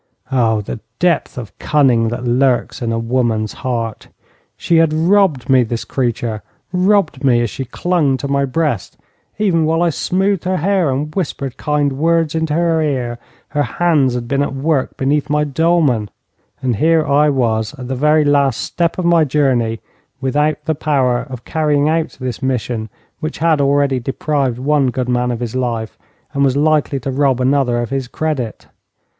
Oh! the depth of cunning that lurks in a woman's heart. She had robbed me, this creature, robbed me as she clung to my breast. Even while I smoothed her hair, and whispered kind words into her ear, her hands had been at work beneath my dolman. And here I was, at the very last step of my journey, without the power of carrying out this mission which had already deprived one good man of his life, and was likely to rob another one of his credit.